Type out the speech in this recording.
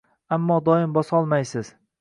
Ammo doim bosolmaysiz